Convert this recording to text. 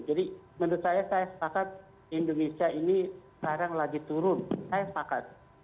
jadi menurut saya saya sepakat indonesia ini sekarang lagi turun saya sepakat